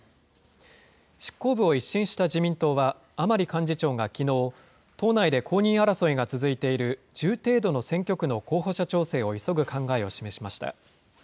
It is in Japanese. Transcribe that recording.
執行部を一新した自民党は、甘利幹事長がきのう、党内で公認争いが続いている１０程度の選挙区の候補者調整を急ぐ考えを示しました。